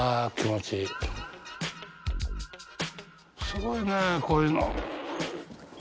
すごいねこういうの。